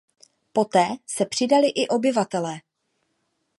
Poté se přidali i obyvatelé.